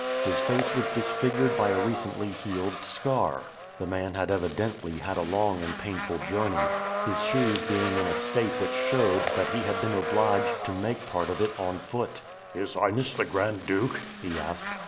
His face was disfigured by a recently healed scar. The man had evidently had a long and painful journey; his shoes being in a state which showed that he had been obliged to make part of it on foot. "His Highness the Grand Duke?" he asked.